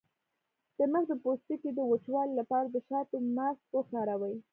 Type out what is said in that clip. د مخ د پوستکي د وچوالي لپاره د شاتو ماسک وکاروئ